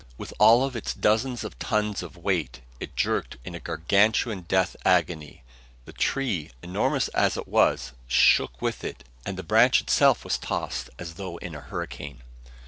With all its dozens of tons of weight, it jerked in a gargantuan death agony. The tree, enormous as it was, shook with it, and the branch itself was tossed as though in a hurricane.